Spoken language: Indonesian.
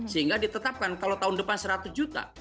sehingga ditetapkan kalau tahun depan seratus juta